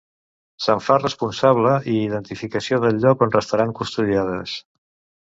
Se'n fa responsable i identificació del lloc on restaran custodiades.